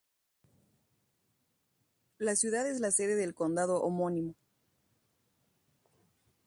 La ciudad es la sede del condado homónimo.